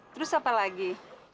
terus apa lagi